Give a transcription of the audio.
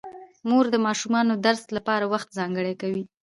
مور د ماشومانو د درس لپاره وخت ځانګړی کوي